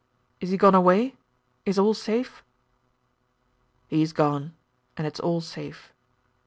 Is he gone away is all safe?" "He is gone, and it's all safe."